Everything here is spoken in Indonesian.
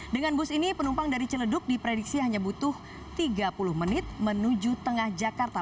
dengan bus ini penumpang dari ciledug diprediksi hanya butuh tiga puluh menit menuju tengah jakarta